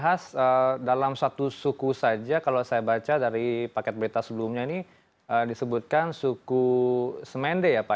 jadi dalam satu suku saja kalau saya baca dari paket berita sebelumnya ini disebutkan suku semende ya pak